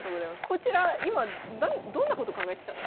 こちら今どんなこと考えてたんですか？